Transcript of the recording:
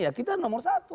ya kita nomor satu